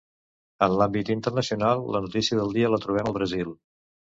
En l’àmbit internacional la notícia del dia la trobem al Brasil.